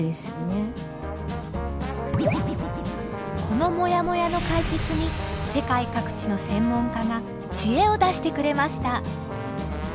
このもやもやの解決に世界各地の専門家がチエを出してくれました。